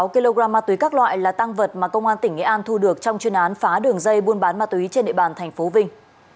sáu kg ma túy các loại là tăng vật mà công an tỉnh nghệ an thu được trong chuyên án phá đường dây buôn bán ma túy trên địa bàn tp vinh